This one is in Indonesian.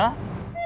karena kuno deh